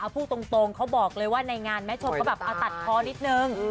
พูดตรงเขาบอกเลยว่าในงานแม่ชมเขาแบบตัดคอนิดนึง